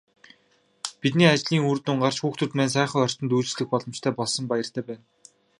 Бидний ажлын үр дүн гарч, хүүхдүүд маань сайхан орчинд үйлчлүүлэх боломжтой болсонд баяртай байна.